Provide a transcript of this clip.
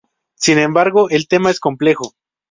Sin embargo, el tema es complejo.